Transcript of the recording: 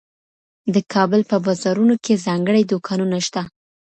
د کابل په بازارونو کې ځانګړي دوکانونه شته.